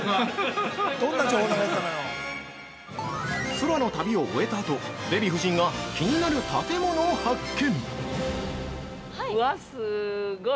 ◆空の旅を終えた後、デヴィ夫人が気になる建物を発見！